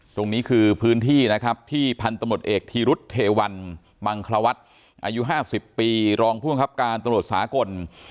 ตรงนี้คือพื้นที่นะครับที่พันธมตเอกธีรุษเทวันมังคลวัฒน์อายุ๕๐ปีรองผู้บังคับการตำรวจสากล